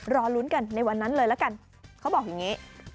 รอลุ้นกันในวันนั้นเลยละกันเขาบอกอย่างนี้